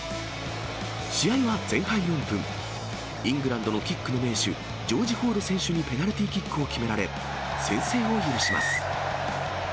試合は前半４分、イングランドのキックの名手、ジョージ・フォード選手にペナルティーキックを決められ、先制を許します。